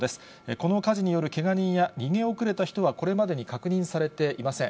この火事によるけが人や逃げ遅れた人はこれまでに確認されていません。